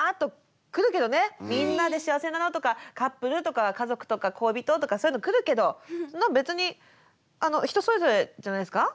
みんなで幸せになろうとかカップルとか家族とか恋人とかそういうの来るけど別に人それぞれじゃないですか。